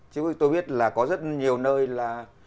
chứ tôi biết là có rất nhiều nơi là